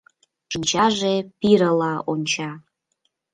Шинчаже пирыла онча.